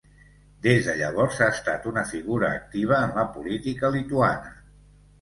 Des de llavors ha estat una figura activa en la política lituana.